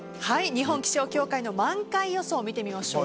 日本気象協会の満開予想を見てみましょう。